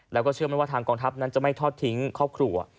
แล้วก็เชื่อมั่นว่าทางกองทัพนั้นจะไม่ทอดทิ้งครอบครัว